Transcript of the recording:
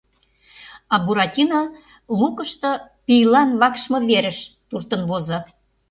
А Буратино лукышто пийлан вакшме верыш туртын возо.